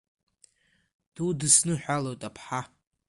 Дудысныҳәалоит аԥҳа!